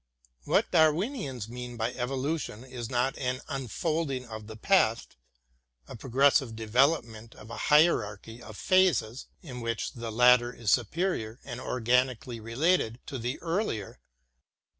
What Darwinians mean by evolution is not an unfolding of the past, a pro gressive development of a hierarchy of phases, in which the later is superior and organically related to the earlier.